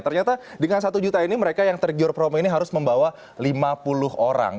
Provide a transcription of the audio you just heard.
ternyata dengan satu juta ini mereka yang tergiur promo ini harus membawa lima puluh orang